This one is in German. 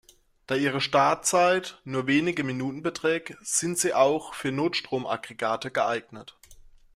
Da ihre Startzeit nur wenige Minuten beträgt, sind sie auch für Notstromaggregate geeignet.